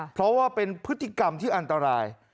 เพราะว่าเป็นพฤติกรรมที่อันตราย